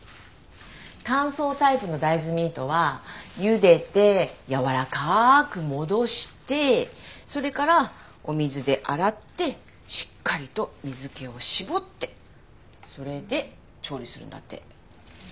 乾燥タイプの大豆ミートはゆでてやわらかく戻してそれからお水で洗ってしっかりと水気を絞ってそれで調理するんだって。